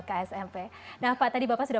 ksmp nah pak tadi bapak sudah